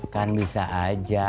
kan bisa aja